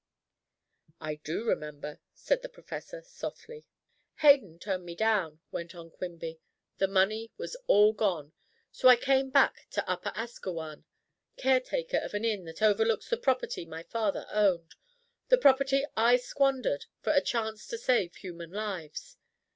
"I do remember," said the professor softly. "Hayden turned me down," went on Quimby. "The money was all gone. So I came back to Upper Asquewan caretaker of an inn that overlooks the property my father owned the property I squandered for a chance to save human lives.